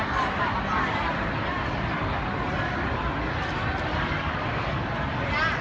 หายไปไหน